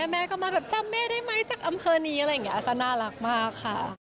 แม่ก็มาใจเม่ไหมจากอำเภอนี้ก็น่ารักมากค่ะ